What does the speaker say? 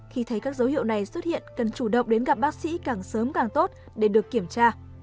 khi thấy các dấu hiệu này xuất hiện cần chủ động đến gặp bác sĩ càng sớm càng tốt để được kiểm tra